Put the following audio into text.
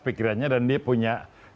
pikirannya dan dia punya